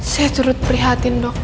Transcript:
saya turut prihatin dok